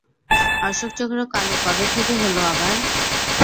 অশোকচক্র কালো কবে থেকে হলো আবার?